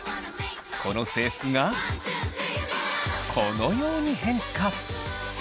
この制服がこのように変化。